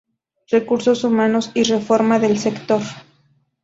Recursos Humanos y Reforma del Sector.